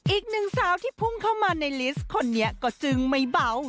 อีกหนึ่งสาวที่พุ่งเข้ามาในลิสต์คนนี้ก็จึงไม่เบา